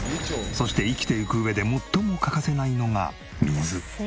そして生きていく上で最も欠かせないのが水。